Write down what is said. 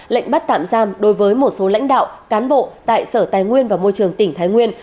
lệnh bắt tạm giam đối với một số lãnh đạo cán bộ tại sở tài nguyên và môi trường tỉnh thái nguyên